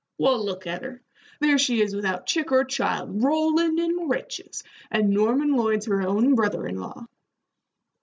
"Well, look at her. There she is without chick or child, rollin' in riches, and Norman Lloyd's her own brother in law.